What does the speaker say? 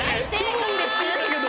超うれしいんだけど！